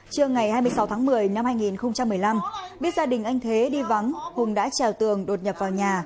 trưa ngày hai mươi sáu tháng một mươi năm hai nghìn một mươi năm biết gia đình anh thế đi vắng hùng đã trèo tường đột nhập vào nhà